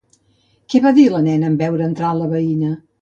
Què va dir la nena en veure entrar la veïna?